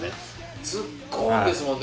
「ズッコーン」ですもんね